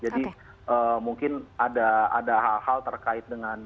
jadi mungkin ada hal hal terkait dengan